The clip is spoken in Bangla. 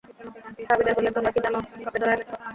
সাহাবীদের বললেন-তোমরা কি জান কাকে ধরে এনেছো?